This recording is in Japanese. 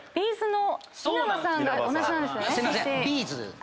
すいません。